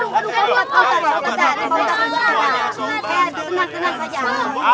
rumah malkis coklat